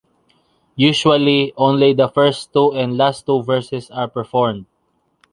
Usually, only the first two and last two verses are performed.